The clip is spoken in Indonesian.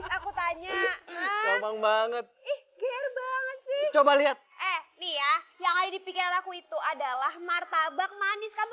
aku tanya banget coba lihat nih ya yang ada di pikiran aku itu adalah martabak manis kamu